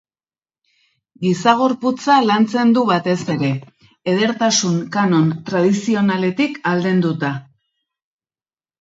Giza gorputza lantzen du batez ere, edertasun kanon tradizionaletik aldenduta.